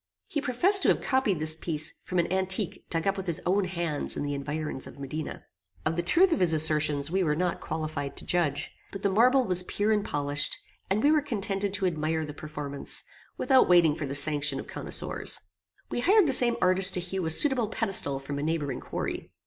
He professed to have copied this piece from an antique dug up with his own hands in the environs of Modena. Of the truth of his assertions we were not qualified to judge; but the marble was pure and polished, and we were contented to admire the performance, without waiting for the sanction of connoisseurs. We hired the same artist to hew a suitable pedestal from a neighbouring quarry.